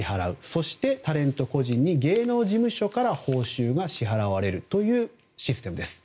そして、タレント個人に芸能事務所から報酬が支払われるというシステムです。